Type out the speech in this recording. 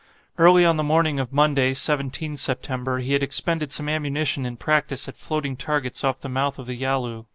Early on the morning of Monday, 17 September, he had expended some ammunition in practice at floating targets off the mouth of the Yalu.